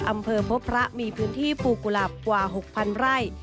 อำเภอพบพระมีพื้นที่ปลูกกุหลาบกว่า๖๐๐ไร่